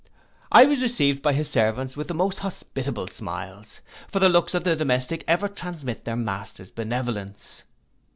I was received by his servants with the most hospitable smiles; for the looks of the domestics ever transmit their master's benevolence.